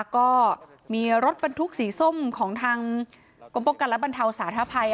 ก็มีรถบรรทุกสีส้มของทางกรมป้องกันและบรรเทาสาธภัย